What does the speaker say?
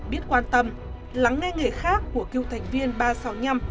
biết quan tâm lắng nghe người khác của cựu thành viên ba trăm sáu mươi năm